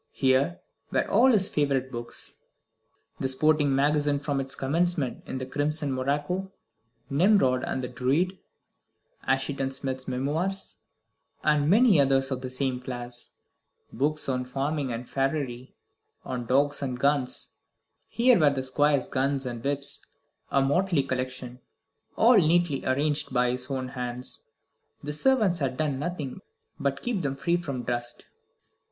Here were all his favourite books. The "Sporting Magazine" from its commencement, in crimson morocco. "Nimrod" and "The Druid," "Assheton Smith's Memoirs," and many others of the same class. Books on farming and farriery, on dogs and guns. Here were the Squire's guns and whips, a motley collection, all neatly arranged by his own hands. The servants had done nothing but keep them free from dust.